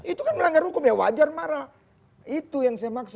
itu kan melanggar hukum ya wajar marah